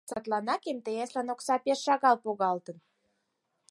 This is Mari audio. Садланак МТС-лан окса пеш шагал погалтын.